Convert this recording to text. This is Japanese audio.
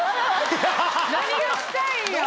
何がしたいんや？